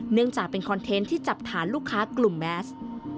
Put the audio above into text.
เนื่องจากเป็นคอนเทนต์ที่จับฐานลูกค้ากลุ่มแมส